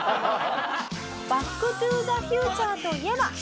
『バック・トゥ・ザ・フューチャー』といえば。